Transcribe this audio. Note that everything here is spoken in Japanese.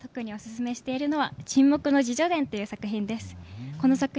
この中でも特におすすめしているのは沈黙の自叙伝という作品です。